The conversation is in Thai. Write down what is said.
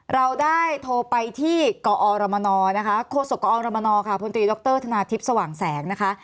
เราได้โทรไปที่กอรมนนะคะโฆษกอรมนค่ะพลตรีดรธนาทิพย์สว่างแสงนะคะ